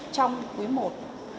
trong quý một